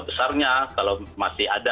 besarnya kalau masih ada